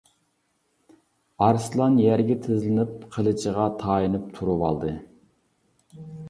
ئارسلان يەرگە تىزلىنىپ قىلىچىغا تايىنىپ تۇرۇۋالدى.